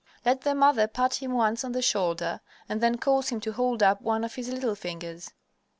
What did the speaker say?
Let the mother pat him once on the shoulder and then cause him to hold up one of his little fingers.